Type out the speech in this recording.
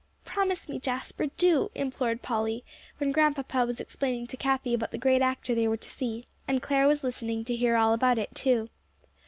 "Promise me, Jasper, do," implored Polly, when Grandpapa was explaining to Cathie about the great actor they were to see, and Clare was listening to hear all about it, too.